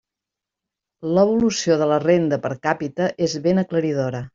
L'evolució de la renda per càpita és ben aclaridora.